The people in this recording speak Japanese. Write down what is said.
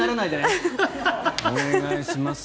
お願いします。